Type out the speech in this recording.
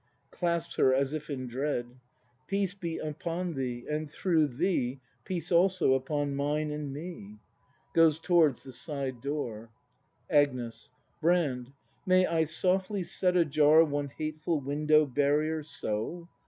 [Clasps her as if in dread.] Peace be upon thee — and, through thee, Peace also upon mine and me! [Goes towards the side door. Agnes. Brand, may I softly set ajar One hateful window barrier, — so